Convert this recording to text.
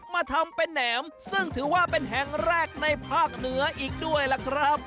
มาทำเป็นแหนมซึ่งถือว่าเป็นแห่งแรกในภาคเหนืออีกด้วยล่ะครับ